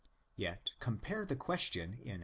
Yet compare the question in i.